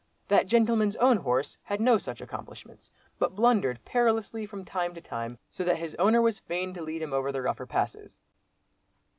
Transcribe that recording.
That gentleman's own horse had no such accomplishments, but blundered perilously from time to time, so that his owner was fain to lead him over the rougher passes.